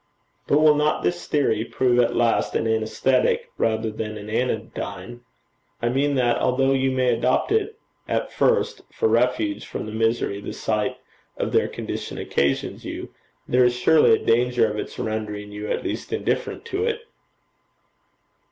'But will not this theory prove at last an anæsthetic rather than an anodyne? I mean that, although you may adopt it at first for refuge from the misery the sight of their condition occasions you, there is surely a danger of its rendering you at last indifferent to it.'